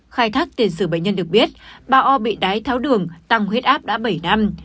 khai thác tiền sử bệnh nhân được biết bà o bị đái tháo đường tăng huyết áp đã bảy năm